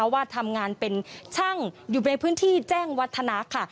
ว่าทำงานเป็นช่างอยู่ในพื้นที่แจ้งวัฒนาค่ะ